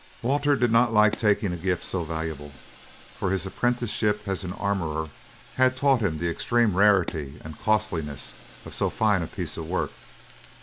Walter did not like taking a gift so valuable, for his apprenticeship as an armourer had taught him the extreme rarity and costliness of so fine a piece of work.